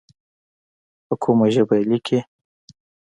په کومه ژبه یې لیکې.